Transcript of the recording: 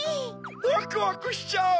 ワクワクしちゃう！